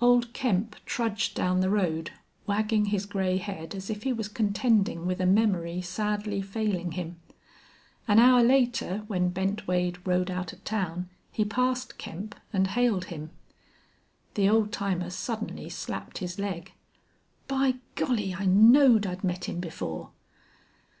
Old Kemp trudged down the road, wagging his gray head as if he was contending with a memory sadly failing him. An hour later when Bent Wade rode out of town he passed Kemp, and hailed him. The old timer suddenly slapped his leg: "By Golly! I knowed I'd met him before!"